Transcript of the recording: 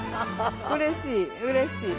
うれしい！